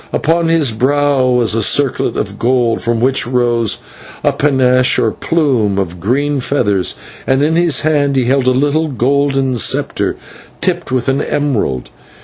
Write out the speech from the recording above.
Upon his brow was a circlet of gold, from which rose a /panache/, or plume, of green feathers, and in his hand he held a little golden sceptre tipped with an emerald.